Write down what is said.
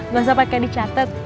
gak usah pake dicatet